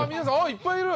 いっぱいいる！